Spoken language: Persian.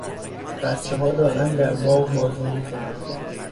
بچهها دارند در باغ بازی میکنند.